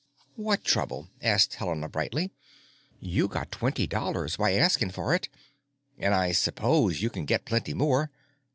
"What trouble?" asked Helena brightly. "You got twenty dollars by asking for it and I suppose you can get plenty more.